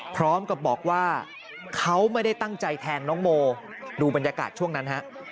พร้อมกับบอกว่าเขาไม่ได้ตั้งใจแทนน้องโมดูบรรยากาศช่วงนั้นฮะ